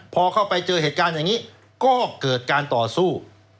พอเข้าไปเจอเหตุการณ์อย่างนี้ก็เกิดการต่อสู้